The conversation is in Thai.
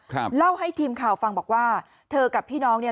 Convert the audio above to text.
เล่าให้ทีมข่าวฟังบอกว่าเธอกับพี่น้องเนี่ย